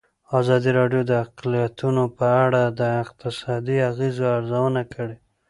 ازادي راډیو د اقلیتونه په اړه د اقتصادي اغېزو ارزونه کړې.